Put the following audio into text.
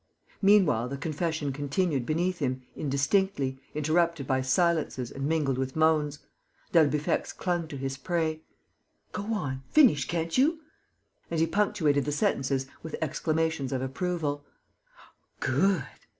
Meanwhile the confession continued beneath him, indistinctly, interrupted by silences and mingled with moans. D'Albufex clung to his prey: "Go on!... Finish, can't you?..." And he punctuated the sentences with exclamations of approval: "Good!...